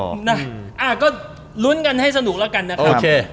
อเจมส์อะก็ลุ้นกันให้สนุกแล้วกันนะครับ